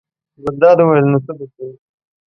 ګلداد وویل: نو څه به کوو.